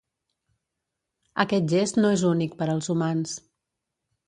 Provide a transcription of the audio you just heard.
Aquest gest no és únic per als humans.